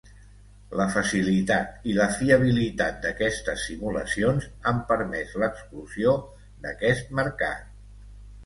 La facilitat i la fiabilitat d'aquestes simulacions han permès l'explosió d'aquest mercat.